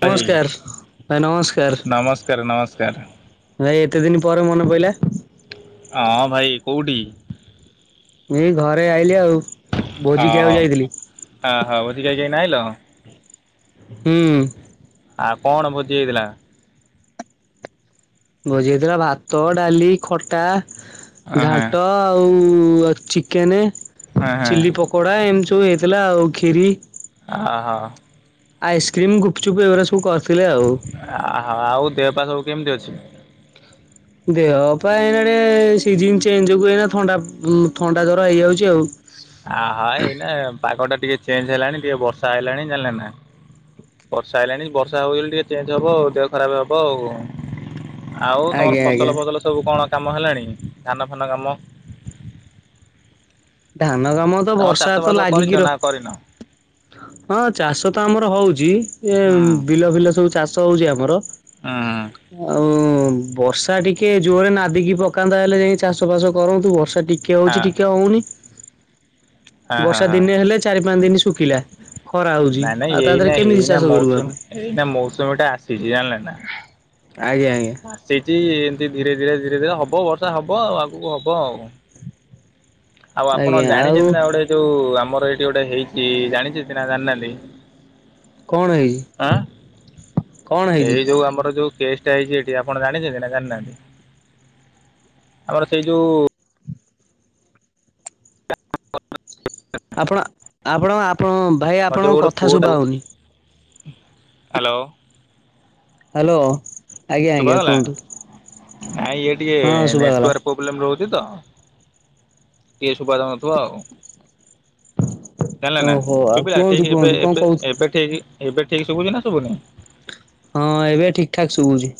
ଭାଇ ନମସ୍କାର ଭାଇ ନମସ୍କାର। ନମସ୍କାର ନମସ୍କାର। ଭାଇ ଏତେ ଦିନ ପରେ ମନେ ପଇଲା। ହଁ ଭାଇ କୋଉଠି? ମୁଁ ଏଇ ଘରେ ଆଇଲିି ଆଉ। ଭୋଜି ଖାଇବାକୁ ଓହୋ ଯାଇଥିଲି ହ ହୋ ଭୋଜ କହିକି ଏନା ଆଇଲ? ହୁଁ। ଆଉ କଣ ଭୋଜି ହେଇଥିଲା? ଭୋଜି ହେଇଥିଲା ଭାତ ଡାଲି ଖଟା ଅହଁ ଘାଣ୍ଟ ଆଉ ଚିକେନ୍ ଅହଁ। ଚିଲ୍ଲୀ ପକ୍ କଡା ଏମିତି ସବୁ ହେଇଥିଲା ଆଉ ଖରି। ଅ ହ। ଆଇସ୍କ୍ରିମ୍ ଗୁପଚୁପ୍ ଏଗୁରା ସବୁ କରିଥିଲେ ଆଉ। ଆଁ ଆଁ ଆଉ ଦେହପା ସବୁ କେମିତି ଅଛି? ଦେହ ପାଇଁ ଏଁ ଏଁ ସିଜିନ ଚେଞ୍ଜୁ ଏଇନା ଥଣ୍ଡା ଥଣ୍ଡା ଜର ହେଇଯାଉଛି ଆଉ ଆ ହାଃ ଏଇନା ପାଗ ଟା ଟିକେ ଚେଞ୍ଜ ହେଲାଣି ଟିକେ ବର୍ଷା ହେଲାଣି ଜାଣିଲେ ନାଁ ବର୍ଷା ଆଇଲାଣି ବର୍ଷା ହଉ ଟିକେ ଚେଞ୍ଜ ହବ ଆଉ ଦେହ ଖରାପ ହବ ଆଉ ଆଉ ତମର ଆଜ୍ଞା ଆଜ୍ଞା ଫସଲ ଫସଲ ସବୁ କଣ କାମ ହେଲାଣି ଧାନ ଫାନ କାମ ଧାନ କାମ ତ ତମର ବର୍ଷା ଚାଷ ତ ବାସ କରିଛ ଲାଗିକି ନା କରିନ? ରହୁ ହଁ ଚାଷ ତ ଆମର ହଉଛି। ହୁଁ ଏଁ ବିଲ ଫିଲ ସବୁ ଚାଷ ହଉଛି ଆମର ହାଁ ଆଉଁ ବର୍ଷା ଟିକେ ଜୋରେ ନାଦିକି ପକାନ୍ତା ହେଲେ ଏଇ ଯାଇକି ଚାଷ ବାସ କରନ୍ତୁ ବର୍ଷା ଟିକେ ଟିକେ ହଁ ହଉଛି ଟିକେ ହଉନି ହଁ ହଁ ବର୍ଷା ହଁ। ଦିନେ ହେଲେ ଚାରି ପାଞ୍ଚ ଦିନ ଶୁଖିଲା ଖରା ହଉଛି ଆଉ ତା ଦେହରେ କେମିତି ଚାଷ କରିବୁ ଆମେ ଏଇଟା ମୌସୁମୀ ଟା ଆସିଛି। ଜାଣିଲେ ନାଁ ଆଜ୍ଞା ଆଜ୍ଞା। ସେଇଠି ଏମିତି ଧୀରେ ଧୀରେ ଧୀରେ ଧୀରେ ହବ ବର୍ଷା ହବ ଆଉ ଆଗକୁ ହବ ଆଉ। ଆଉ ଆପଣ ଆଜ୍ଞା ଆଉ ଜାଣିଛନ୍ତି ନାଁ ଗୋଟେ ଯୋଉଁ ଆମର ଏଇଠି ଗୋଟେ ହେଇଛି ଜାଣିଛନ୍ତି। ନାଁ ଜାଣିନାହାନ୍ତି? କଣ ହେଇଛି ଆଁ। କଣ ହେଇଛି ଏଇ ଯୋଉଁ ଆମର ଯୋଉଁ କେସ୍ ଟା ହେଇଛି ଏଠି ଆପଣ ଜାଣିଛନ୍ତି ନାଁ ଜାଣିନାହାନ୍ତି ଆମର ସେଇ ଯୋଉଁ ଆପଣ ଆପଣ ଆପଣ ଭାଇ ମୋର ଯୋଉ ଆପଣଙ୍କ ଗୋଟେ କଥା ପୁଅଟାକୁ ଶୁଭାହେଉନି? ହ୍ୟାଲୋ। ହ୍ୟାଲୋ। ଆଜ୍ଞା ଶୁଭା ଆଜ୍ଞା ଗଲା। କୁହନ୍ତୁ ନାଇଁ ଇଏ ଟିକେ ହଁ ଶୁଭାଗଲା ନେଟୱାର୍କ ପ୍ରୋବ୍ଲେ ପ୍ରୋବ୍ଲେମ ରହୁଛି ତ ଟିକେ ଶୁଭା ଯାଉନଥିବ ଆଉ। ଜାଣିଲେ ନାଁ ଓହୋ ଆଉ ଶୁଭିଲା କୁହନ୍ତୁ ଠିଁକ ଏବେ କୁହନ୍ତୁ କଣ ଏବେ କହୁ ଏବେ ଠିଁକି ଏବେ ଠିଁକ ଶୁଭୁଛି ନାଁ ଶୁଭୁନି? ହଁ ଏବେ ଠିକ୍ ଠାକ୍ ଶୁଭୁଛି।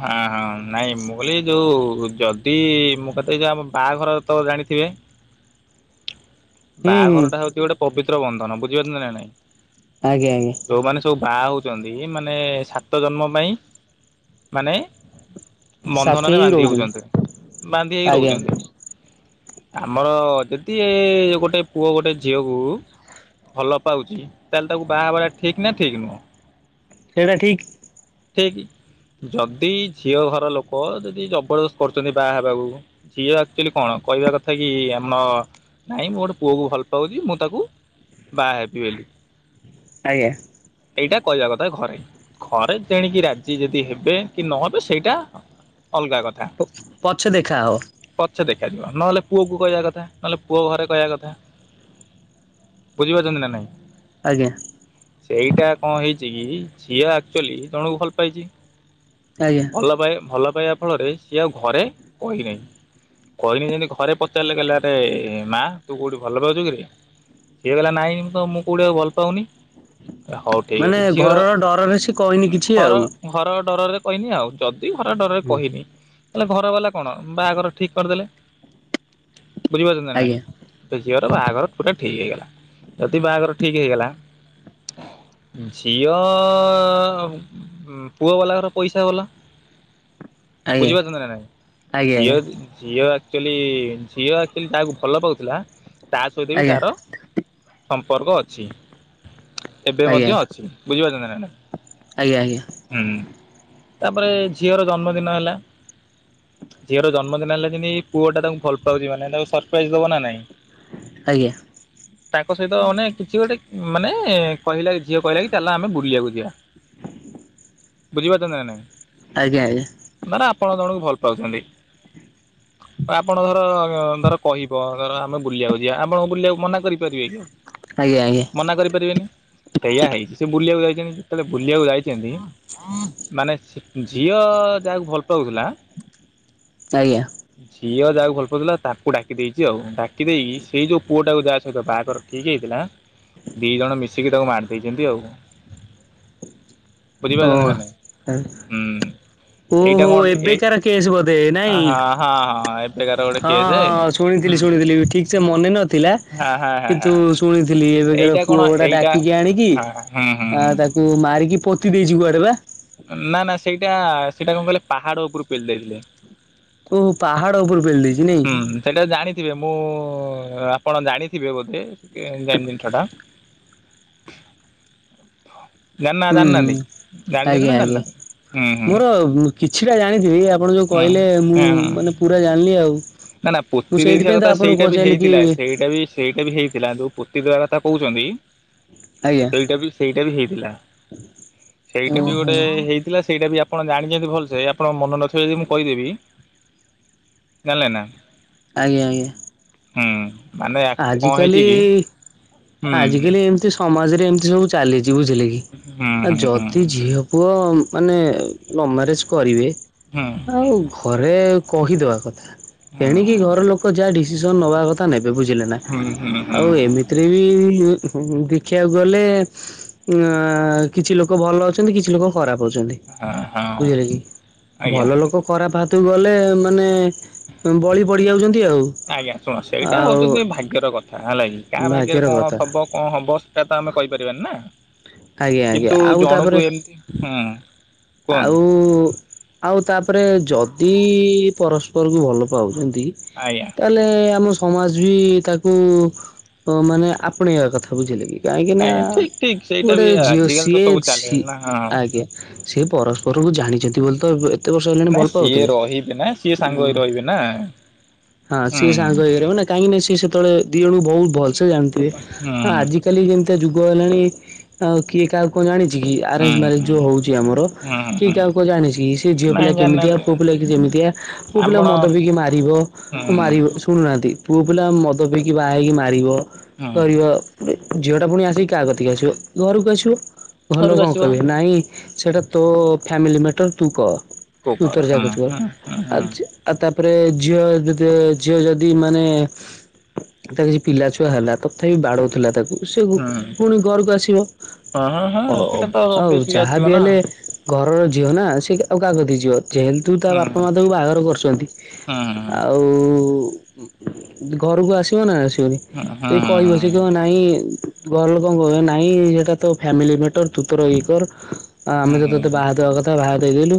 ହାଁ ହାଁ ନାଇଁ ମୁଁ କହିଲି ଯୋଉଁ ଯଦି ମୁଁ କତେ ଯଉ ଆମ ବାହାଘର ତ ଜାଣିଥିବେ ହୁଁ ହୁଁ ବାହାଘର ଟା ହଉଛି ଗୋଟେ ପବିତ୍ର ବନ୍ଧନ ବୁଝିପାରୁଛନ୍ତି ନାଁ ନାଇଁ। ଆଜ୍ଞା ଆଜ୍ଞା। ଯୋଉଁମାନେ ସବୁ ବାହା ହଉଛନ୍ତି ମାନେ ସାତ ଜନ୍ମ ପାଇଁ ମାନେଏଁ ସାଥି ବନ୍ଧନରେ ହେଇ ବାନ୍ଧି ରହୁଛନ୍ତି ହଉଛନ୍ତି। ବାନ୍ଧି ହେଇକି ଆଜ୍ଞା ରହୁଛନ୍ତି। ଆମର ଯଦି ଏଁ ଗୋଟିଏ ପୁଅ ଗୋଟିଏ ଝିଅ କୁ ଭଲ ପାଉଛି ତାହେଲେ ତାକୁ ବାହା ହବାଟା ଠିକ ନାଁ ଠିଁକୀ ନୁହଁ? ସେଇଟା ଠିକ୍। ଠିଁକୀ ଯଦି ଝିଅ ଘର ଲୋକ ଯଦି ଜବରଦସ୍ତ କରୁଛନ୍ତି ବାହା ହେବାକୁ। ଝିଅ ଆକ୍ଚୁଆଲି କଣ କହିବା କଥା କି ଆମର ନହିଁ ମୁଁ ଗୋଟେ ପୁଅକୁ ଭଲ ପାଉଛି ମୁଁ ତାକୁ ବାହା ହେବି ବୋଲି। ଆଜ୍ଞା। ଏଇଟା କହିବା କଥା ଘରେ। ଘରେ ତେଣିକି ରାଜି ଯଦି ହେବେ କି ନହେବେ ସେଇଟା ଅଲଗା କଥା ପଛେ ଦେଖାହବ ପଛେ ଦେଖାଯିବ ନହେଲେ ପୁଅ କହିବା କଥା ନହେଲେ ପୁଅ ଘରେ କହିବା କଥା ବୁଝିପାରୁଛନ୍ତି ନାଁ ନାଇଁ? ଆଜ୍ଞା। ସେଇଟା କଣ ହେଇଛି କି ସିଏ ଆକ୍ଚୁଆଲି ଜଣକୁ ଭଲ ପାଇଛି। ଆଜ୍ଞା ଭଲ ପାଏ ଭଲ ପାଇବା ଫଳରେ ସିଏ ଆଉ ଘରେ କହିନାହିଁ। କହିନି ଯେମିତି ଘରେ ପଚାରିଲେ କହିଲେ। ଆରେ ମା ତୁ କୋଉଠି ଭଲ ପାଉଛୁ କିରେ? ସିଏ କହିଲା ନାହିଁ ତ ମୁଁ କେଉଁଠିକୁ ଭଲ ପାଉନି। ହଉ ଠିକ୍ ମାନେ ଅଛି ଝିଅର ଘରର ଡରରେ ସିଏ କହିନି କିଛି ଘର ଆଉ। ଘର ଡରରେ କହିନି ଆଉ ଯଦି ଘର ଡରରେ ହୁଁ କହିନି। ହେଲେ ଘର ବାଲା କଣ ବାହାଘର ଠିକ କରିଦେଲେ ବୁଝିପାରୁଛନ୍ତି ନାଇଁ। ଆଜ୍ଞା ସେ ଝିଅର ବାହାଘର ପୁରା ଠିକ୍ ହେଇଗଲା। ଯଦି ବାହାଘର ଠିକ୍ ହେଇଗଲା- ଝିଅ ପୁଅ ବାଲା ଘର ପଇସା ବାଲା ଆଜ୍ଞା ବୁଝିପାରୁନ୍ତ ନା ନାଇଁ ଆଜ୍ଞା ଝିଅ ଝିଅ ଆଚୁଆଲି ଝିଅ ଆଚୁଆଲି ଯାହାକୁ ଭଲ ପାଉଥିଲା ତା ସହିତ ବି ଆଜ୍ଞା ଆଜ୍ଞା ତାର ସମ୍ପର୍କ ଅଛି ଏବେ ଆଜ୍ଞା ମଧ୍ୟ ଅଛି ବୁଝିପାରୁଛନ୍ତି ନା ନାଇଁ। ଆଜ୍ଞା ଆଜ୍ଞା ହୁଁ ତାପରେ ଝିଅର ଜନ୍ମଦିନ ହେଲା। ଝିଅର ଜନ୍ମଦିନ ହେଲା ଯେମିତି ପୁଅ ଟା ତାକୁ ଭଲ ପାଉଛି ମାନ ତାକୁ ସରପ୍ରାଇଜ ଦବ ନା ନାଇଁ। ଆଜ୍ଞା। ତାଙ୍କ ସହିତ ମାନେ କିଛି ଗୋଟେ ମାନେ କହିଲା କି ଝିଅ କହିଲା କି ଚାଲ ଆମେ ବୁଲିବାକୁ ଯିବା। [unintelligible] ବୁଝିପାରୁଛନ୍ତି ନା ନାଇଁ? ଆଜ୍ଞା ଆଜ୍ଞା। ମାନେ ଆପଣ ଜଣଙ୍କୁ ଭଲ ପାଉଛନ୍ତି। [unintelligible] ଆପଣ ଧର ଧର କହିବ ଧର ଆମେ ବୁଲିବାକୁ ଯିବା ଆପଣ ବୁଲିବାକୁ ମନା କରିପାରିବେ କି ଆଉ। ଆଜ୍ଞା ଆଜ୍ଞା। ମନା କରିପାରିବେନି ସେଇଆ ହେଇଛି ସେ ବୁଲିବାକୁ ଯାଇଛନ୍ତି ଯେତେବେଳେ ବୁଲିବାକୁ ଯାଇ ଛନ୍ତି ମାନେ ଝିଅ ଯାହାକୁ ଭଲ ପାଉଥିଲା ଆଜ୍ଞା। ଝିଅ ଯାହାକୁ ଭଲ ପାଉଥିଲା ତାକୁ ଡାକି ଦେଇଛି ଆଉ ଡାକି ଦେଇକି ସେଇ ଯୋଉ ପୁଅଟାକୁ ଯାହା ସହିତ ବାହାଘର ଠିକ୍ ହେଇଥିଲା ଦି ଜଣ ମିଶିକି ତାକୁ ମାରି ଦେଇଛନ୍ତି ଆଉ। ଓ ବୁଝିପାରୁଛନ୍ତି ନା ନାଇଁ? ହୁଁ। ଏଇଟା ଓହୋ କଣ ଏଇ ଏବେକାର କେସ୍ ବୋଧେ ହଁ ନାଇଁ? ହଁ ହଁ ଏ ହଁ ହଁ ଶୁଣିଥିଲି ଶୁଣିଥିଲି ଠିକ୍ ସେ ମନେ ନଥିଲା, ହଁ ହଁ ହଁ କିନ୍ତୁ ହଁ ଶୁଣିଥିଲି ଏବେକାର ଏଇଟା କଣ ପୁଅ ଗୋଟା ଏଇଟା ଡାକିକି ଆଣିକି ହଁ ହୁଁ ହୁଁ ଆ ହୁଁ ତା କୁ ମାରିକି ପୋତି ଦେଇଛି କୁଆଡେ ବା? ନା ନା ସେଇଟା ସେଇଟା କଣ କହିଲେ ପାହାଡ ଉପରୁ ପେଲି ଦେଇଥିଲେ। ଓ ପାହାଡ ଉପରୁ ପେଲି ଦେଇଛି ନାଇଁ? ହୁଁ ସେଇଟା ଜାଣିଥିବେ ମୁଁ ଆପଣ ଜାଣିଥିବେ ବୋଧେ ମେନ ଜିନିଷ ଟା। [unintelligible] ଜାଣିନାହାନ୍ତି ହୁଁ ହୁଁ। ଜାଣିନାହାନ୍ତି ଜାଣି ଚନ୍ତ ନା ଆଜ୍ଞା ଆଜ୍ଞା ମୋର କିଛିଟା ଜାଣିଥିବି ଆପଣ ଯୋଉ ହଁ କହିଲେ ମୁଁ ହଁ ହଁ। ମାନେ ପୁରା ଜାଣିଲି ଆଉ। ନା ନା ମୁଁ ପୋତି ଦେଇଥିବା ସେଇଥିପାଇଁ ତ କଥା ଆପଣଙ୍କୁ ସେଇଟା ବି ପଚାରିଲି କି ହେଇଥିଲା ସେଇଟା ବି ସେଇଟା ବି ହେଇଥିଲା ଯୋଉ ପୋତି ଦେବା କଥା କହୁଚନ୍ତି ଆଜ୍ଞା ସେଇଟା ବି ସେଇଟା ବି ହେଇଥିଲା ସେଇଟା ବି ଓହୋ ଗୋଟେ ହେଇଥିଲା। ସେଇଟା ବି ଆପ୍ ଆପଣ ଜାଣିଚନ୍ତି ଭଲସେ ଆପଣ ମନ ନଥିବ ଯଦି ମୁଁ କହିଦେବି ଜାଣିଲେ ନା? ଆଜ୍ଞା ଆଜ୍ଞା। ହୁଁ! ମାନେ କଣ ଆଜିକାଲି ହେଇଛି କି ହୁଁ ଆଜିକାଲି ଏମ୍ତି ସମାଜରେ ଏମ୍ତି ସବୁ ଚାଲିଚି ବୁଝିଲେ କି? ହୁଁ ଆ ହୁଁ ହୁଁ। ଯଦି ଝିଅ ପୁଅ ମାନେ ଲଭ ମ୍ୟାରେଜ କରିବେ। ହୁଁ! ଆଉ ଘରେ କହିଦବା କଥା। ହୁଁ ତେଣିକି ଘର ଲୋକ ଯାହା ଡିସିସନ୍ ନବା କଥା ନେବେ ବୁଝ ଲେନା। ହୁଁ ହୁଁ ହୁଁ ଆଉ ହଁ ଏମିତିରେ ବି ଦେଖିବାକୁ ଗଲେ ଆଁ କିଛି ଲୋକ ଭଲ ଅଛନ୍ତି କିଛି ଲୋକ ଖରାପ ଅଛନ୍ତି। ହଁ ବୁଝିଲେ କି? ଆଜ୍ଞା। ଭଲ ଲୋକ ଖରାପ ହାତକୁ ଗଲେ ମାନେ ଉଁ ବଳି ପଡିଯାଉଛନ୍ତି ଆଉ। ଆଜ୍ଞା ଶୁଣ ସେଇଟା ଆଉ ହଉଛନ୍ତି ଭାଗ୍ୟର କଥା ହେଲା କିି କାହା ଭାଗ୍ୟରେ ଭାଗ୍ୟର କଣ କଥା ଥବ କଁ ହବ ସେଇଟା ତ ଆମେ କହିପାରିବାନି ନା। ଆଜ୍ଞା ଆଜ୍ଞା! କିନ୍ତୁ ଆଉ ଜଣକୁ ତାପରେ ଏମିତି ହୁଁ କୁହନ୍ତୁ ଆଉ ଆଉ ତାପରେ ଯଦି ପରସ୍ପରକୁ ଭଲ ପାଉଚନ୍ତି। ଆଜ୍ଞା! ତାହେଲେ ଆମ ସମାଜ ବି ତାକୁ ମାନେ ଆପଣେଇବା କଥା ବୁଝିଲେ କି? କାହିଁକିନା ଆଜ୍ଞା ଠିକ୍ ଠିକ୍ ସେଇଟା ଗୋଟେ ବି ଝିଅ ଆଜିକାଲି ତ ସିଏ ସବୁ ସି ଚାଲିଲାଣି ନା ହଁ। ଆଜ୍ଞା ସିଏ ପରସ୍ପରକୁ ଜାଣିଚନ୍ତି ବୋଲି ତ ବ ଏତ୍ ତେ ବର୍ଷ ହେଲାଣି ନାଇଁ ଭଲ ସିଏ ପାଉଥିଲେ। ରହିବେ ନା ସିଏ ସାଙ୍ଗ ହେଇ ଉମ୍ ରହିବେ ନା ହଁ ହୁଁ ହୁଁ ସିଏ ସାଙ୍ଗ ହେଇଗଲେ ମାନେ କାହିଁକିନା ସିଏ ସେତେବେଳେ ଦି ଜଣଙ୍କୁ ବହୁ ଭଲସେ ଜାଣିଥିବେ। ହୁଁ ଆ ଆଜିକାଲି ଯେମିତିଆ ଯୁଗ ହେଲାଣି ଆଉ କିଏ କାହାକୁ କଣ ଜାଣିଚି କି ଆରେଞ୍ଜ ମ୍ୟାରେଜ୍ ହୁଁ। ଯୋଉ ହଉଚି ଆମର। ହୁଁ କି ହୁଁ କାହା କଣ ଜାଣିଚି କି ସେ ଝିଅ ନାଇଁ ପିଲା କେମିତିଆ ଜାଣିନାହାନ୍ତି ପୁଅ ପିଲା କି କେମିତିଆ କୋଉ ପିଲା ଆପଣ ମଦ ପିକି ମାରିବ। ହୁଁ ମାରିବ ଶୁଣୁନାହାନ୍ତି ପୁଅ ପିଲା ମଦ ପିଇକି ବାହା ହେଇକି ମାରିବ ହୁଁ କରିବ। ଝିଅଟା ଫୁଣି ଆସିକି କାହା କତିକି ଆସିବ ଘରକୁ ଆସିବ। ଘର ଘରକୁ ଲୋକ କଁ ଆସିବ। କହିବେ ନାଇଁ ସେଟା ତୋ ଫ୍ୟାମିଲି ମ୍ୟାଟର୍ ତୁ କହ କୋଉ ତୁ ପାରା ତୋର ହୁଁ ଜାହା କରୁଚୁ କର। ହୁଁ ହୁଁ ହୁଁ। ଆଉ [unintelligible] ଆଉ ତାପରେ ଝିଅ ଯଦିଓ ଝିଅ ଯଦି ମାନେ ତାକୁ [unintelligible] ପିଲା ଛୁଆ ହେଲା ତଥାପି ବାଡଉଥିଲା ତାକୁ। ସେ ପୁ ହୁଁ ପୁଣି ଘରକୁ ଆସିବ। ହଁ ହଁ ଅ ହଁ ସେଟା ତ ଆଉ ଅଭିଅସଲି ଯାହା ଆସିବ ବି ନା ହେଲେ ଘରର ଝିଅ ନା ସେ ଆଉ କାହା କତିକି ଯିବ [unintelligible] ତୁ ତା ହୁଁ ବାପା ମା ତାଙ୍କୁ ବାହାଘର କରୁଚନ୍ତି। ହୁଁ ହୁଁ ଆଉ ଆଉ ଘରକୁ ଆସିବ ନା ଆସିବନି ହୁଁ ହୁଁ ଟିକେ ହୁଁ ହୁଁ କହିବ। କହ ନାହିଁ ଘର ଲୋକ କହ ନାହିଁ ସେଟା ତ ଫ୍ୟାମିଲି ମ୍ୟାଟର ତୁ ତର ଇ କର। ଆ ଆମେ ହୁଁ ତ ତତେ ବାହା ଦେବା କଥା ବାହା ଦେଇଦେଲୁ।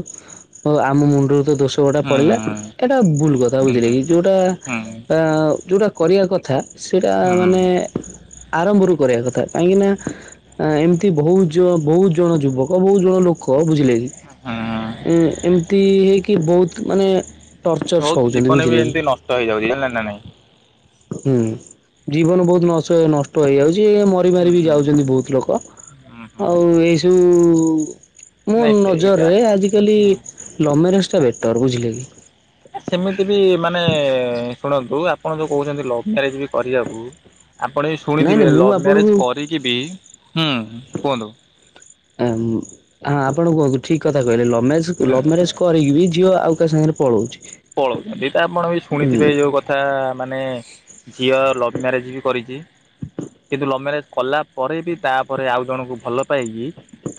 ଆମ ମୁଣ୍ଡରୁ ତ ଦୋଷ୍ ସେଉଟା ପଳିଲା ହୁଁ। ଏଇଟା ଭୁଲ କଥା ହୁଁ ବୁଝିଲେ ହୁଁ କି ଯେଉଁଟା ଆ ଯଉଟା କରିବା କଥା। ସେଇଟା ମାନେ ଆରମ୍ଭରୁ କରିବା କଥା କାହିଁକି ନା ଆ ଏମ୍ତି ବହୁତ୍ ଜ ବହୁତ୍ ଜଣ ଯୁବକ ବହୁତ ଜଣ ଲୋକ ବୁଝିଲେ କି? ଏଁ ଏମ୍ତି ହେଇକି ବହୁତ୍ ମାନେ ଟର୍ଚର୍ ବହୁତ ସହୁଚନ୍ତି ଜୀବନ ବି ବୁଝିଲେ କି? [unintelligible] ନାଇଁ। ହୁଁ ଜୀବନ ବହୁତ୍ ନଷ ନଷ୍ଟ ହେଇଯାଉଛି। ମରି ହୁଁ ମାରି ବି ହୁଁ ଯାଉ ଚନ୍ତି ବହୁତ୍ ଲୋକ। ହୁଁ ଆଉ ହୁଁ ଏସବୁ ମୁଁ ନାଇଁ ସେଇଟା ନଜରରେ ଆଜିକାଲି ହୁଁ ଲଭ୍ ମ୍ୟାନେଜଟା ବେଟର ବୁଝିଲେ କି? ଆ ସେମିତି ବି ମାନେ ଶୁଣନ୍ତୁ ଆପଣ ଯୋଉ କହୁଚନ୍ତି ଲଭ ମ୍ୟାରେଜ୍ ବି କରିବାକୁ ଆପଣ ବି ନାଇଁ ଶୁଣିଥିବେ ନାଇଁ ମୁଁ ଲଭ୍ ମ୍ୟାରେଜ ଆପଣଙ୍କୁ କରିକି ବି, ହୁଁ କୁହନ୍ତୁ। ଅମ୍ ଆ ଆପଣ କୁହନ୍ତୁ ଠିକ୍ କଥା କହିଲେ। ଲଭ୍ ମ୍ୟାରେଜ୍ ଲଭ୍ ମ୍ୟାରେଜ୍ କରିକି ବି ଝିଅ ଆଉ କାହା ସାଙ୍ଗରେ ପଳଉଚି। ପଳଉଛନ୍ତି। ତ ଆପଣ ବି ଶୁଣିଥିବେ ଯୋଉ କଥା ମାନେ ଝିଅ ଲଭ୍ ମ୍ୟାରେଜ୍ ବି କରିଚି। କିନ୍ତୁ ଲଭ୍ ମ୍ୟାରେଜ୍ କଲା ପରେ ବି ତାପରେ ଆଉ ଜଣଙ୍କୁ ଭଲ ପାଇକି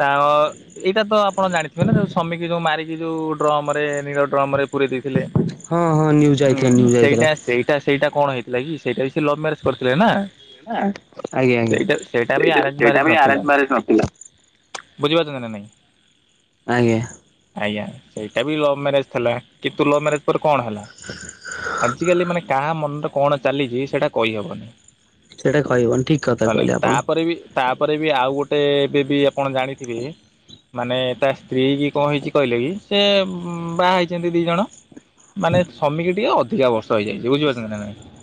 ତା ଅ ଏଇଟା ତ ଆପଣ ଜାଣିଥିବେ ନା ଯୋଉ ସ୍ୱାମୀ କି ଯୋଉ ମାରିକି ଯୋଉ ଡ୍ରମ ରେ ନୀଳ ଡ୍ରମ ରେ ପୁରେଇ ଦେଇ ଥିଲେ। ହଁ ହଁ ନ୍ୟୁଜ ଆଇଥିଲା ହୁଁ ନ୍ୟୁଜ ଆଇଥିଲା ସେଇଟା ସେଇ ସେଇଟା ସେଇଟା କଣ ହେଇଥିଲା କି ସେଇଟା ବି ସେ ଲଭ ମ୍ୟାରେଜ୍ କରିଥିଲେ ନା। ଆଜ୍ଞା ଆଜ୍ଞା। ସେଇଟା ବି ଆରେଞ୍ଜ ମ୍ୟାରେଜ ସେଇଟା ବି ନଥିଲା ଆରେଞ୍ଜ ମ୍ୟାରେଜ୍ ନଥିଲା। ବୁଝିପାରୁଛନ୍ତି ନା ନାଇଁ? ଆଜ୍ଞା। ଆଜ୍ଞା। ସେଇଟା ବି ଲଭ୍ ମ୍ୟାରେଜ୍ ଥିଲା। କିନ୍ତୁ ଲଭ୍ ମ୍ୟାରେଜ୍ ଉପରେ କଣ ହେଲା। ଆଜିକାଲି ମାନେ କାହା ମନରେ କଣ ଚାଲିଚି ସେଟା କହିହବନି। ସେଟା କହିହବନି ଠିକ୍ କଥା କହିଲେ ଆପଣ। ତାପରେ ବି ତାପରେ ବି ଆଉ ଗୋଟେ ଏବେ ବି ଆପଣ ଜାଣିଥିବେ ମାନେ ତା ସ୍ତ୍ରୀ କି କଣ ହେଇଚି କହିଲେ କି ସେ ବାହା ହେଇଛନ୍ତି। ଦି ଜଣ, ମାନେ ସ୍ୱମି କି ଟିକେ ଅଧିକା ବର୍ଷ ହେଇଯାଇଚି। ବୁଝିପାରୁଛନ୍ତି ନା ନାଇଁ?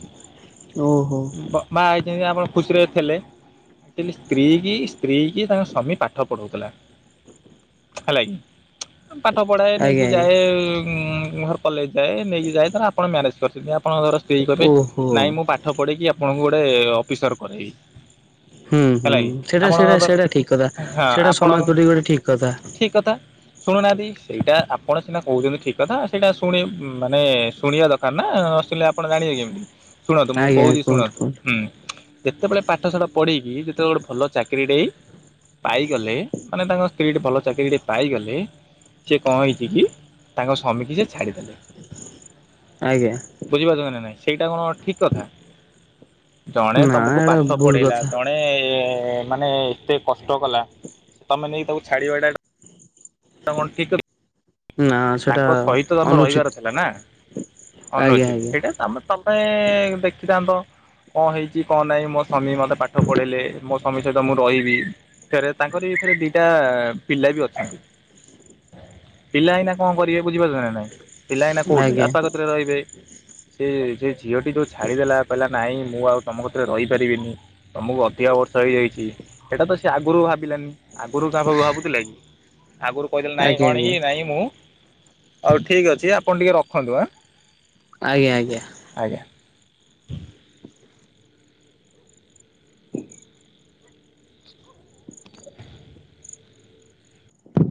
ଓହୋ। ବାହା ହେଇଛନ୍ତି ଆପଣ ଖୁସିରେ ଥିଲେ। ହେଲେ ସ୍ତ୍ରୀ କି ସ୍ତ୍ରୀ କି ତାଙ୍କ ସ୍ୱାମୀ ପାଠ ପଢ଼ାଉଥିଲା। ହେଲା କିି। ପାଠ ପଢାଏ ଆଜ୍ଞା ନେଇକି ଆଜ୍ଞା ଯାଏ ଘର୍ କଲେଜ୍ ଯାଏ ନେଇକି ଯାଏ। ଧର ଆପଣ ମ୍ୟାରେଜ୍ କରିଛନ୍ତି ଆପଣଙ୍କର ସ୍ତ୍ରୀ ଙ୍କ ପାଇଁ ଓହୋ। ନାଇଁ ମୁଁ ପା ପାଠ ପଢେଇକି ଆପଣଙ୍କୁ ଗୋଟେ ଅଫିସର କରେଇବି। ହୁଁ ହୁଁ। ହେଲା କି ସେଇଟା ସେଇଟା ଆପଣଙ୍କ ସେଇଟା ଠିକ୍ କଥା। ସେଇଟା ସମାଜ ପ୍ରତି ଗୋଟେ ଠିକ୍ କଥା। ଠିକ୍ କଥା। ଶୁଣୁନାହାନ୍ତି, ସେଇଟା ଆପଣ ସିନା କହୁଛନ୍ତି ଠିକ୍ କଥା, ସେଇଟା ଶୁଣି ମାନେ ଶୁଣିବା ଦରକାର ନା ନଶୁଣିଲେ ଆପଣ ଜାଣିବେ କେମିତି। ଶୁଣନ୍ତୁ ମୁଁ ଆଜ୍ଞା କହୁଚି କୁହନ୍ତୁ ଶୁଣନ୍ତୁ କୁହନ୍ତୁ ହୁଁ। ଯେତେବେଳେ ପାଠସାଠ ପଢେଇକି ଯେତେବେଳେ ଗୋଟେ ଭଲ ଚାକିରି ଟେ ପାଇଗଲେ, ମାନେ ତାଙ୍କ ସ୍ତ୍ରୀ ଟି ଭଲ ଚାକିରି ଟି ପାଇଗଲେ, ସିଏ କଣ ହେଇଚି କି ତାଙ୍କ ସ୍ୱମି ଟିକି ଛାଡ଼ିଦେଲେ। ଆଜ୍ଞା। ବୁଝିପାରୁଚନ୍ତି ନା ନାଇଁ? ସେଇଟା କଣ ଠିକ୍ କଥା। ଜଣେ ନା ତମକୁ ଏଇଟା ପାଠ ଭୁଲ ପଢେଇଲା। କଥା ଜଣେ ମାନେ ମାନେ ଏତେ କଷ୍ଟ କଲା, ତମେ ନେଇ ତାକୁ ଛାଡିବାଟା ତମେ କଣ ଠିକ୍ କ ନା ସେଟା ତାଙ୍କ ସହିତ ତମେ ଅନୁଚିତ ରହିବାର ଥିଲା ନା। ଆଜ୍ଞା ଅନୁଚିତ୍ ଆଜ୍ଞା। ସେଇଟା ତମେ ତମ ପାଇଁ ଦେଖିଥାନ୍ତ କଣ ହେଇଚି କଣ ନାଇଁ, ମୋ ସ୍ୱମୀ ମତେ ପାଠ ପଢେଇଲେ ମୋ ସ୍ବମୀ ସହିତ ମୁଁ ରହିବି। ଫେରେ ତାଙ୍କର ଏଥିରେ ଦିଟା ପିଲା ବି ଅଛନ୍ତି। ପିଲା ଏଇନା କଣ କରିବେ ବୁଝିପାରୁଛନ୍ତି ନା ନାଇଁ, ପିଲା ଏଇନା ଆଜ୍ଞା କୋଉଠି ଆଜ୍ଞା ବାପା କତିରେ ରହିବେ। ସେ ଝିଅଟି ଯଉ ଛାଡ଼ିଦେଲା କହିଲା ନାଇଁ ମୁଁ ଆଉ ତମ କତିରେ ରହିପାରିବିନି। ତମକୁ ଅଧିକା ବର୍ଷ ହେଇଯାଇଚି। ସେଇଟା ତ ସେ ଆଗରୁ ଭାବିଲାନି। ଆଗରୁ ତାହା ଭାବୁଥିଲା କି? ଆଗରୁ କହିଥିଲେ ନାଇଁ ଆଜ୍ଞା କଣ କି ନାଇଁ ମୁଁ, ହଉ ଠିକ୍ ଅଛି ଆପଣ ଟିକେ ରଖନ୍ତୁ ଆଁ। ଆଜ୍ଞା ଆଜ୍ଞା। ଆଜ୍ଞା।